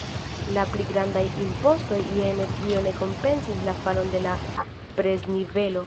La pli grandaj impostoj je energio ne kompensis la falon de la preznivelo.